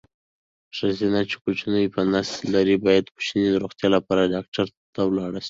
ښځېنه چې کوچینی په نس لري باید کوچیني د روغتیا لپاره ډاکټر ولاړ شي.